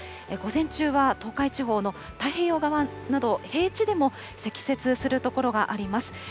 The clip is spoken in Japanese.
午前中は東海地方の太平洋側など平地でも、積雪する所があります。